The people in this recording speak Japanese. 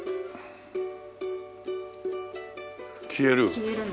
消える？